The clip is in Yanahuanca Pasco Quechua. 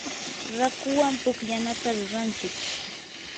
raakuwan pukllanata ruranchik.